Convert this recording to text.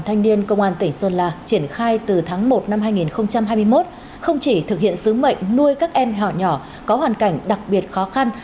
đoàn thanh niên công an tỉnh sơn la triển khai từ tháng một năm hai nghìn hai mươi một không chỉ thực hiện sứ mệnh nuôi các em nhỏ có hoàn cảnh đặc biệt khó khăn